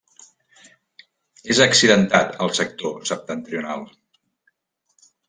És accidentat el sector septentrional.